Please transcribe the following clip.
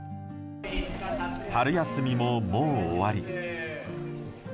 春休みも、もう終わり。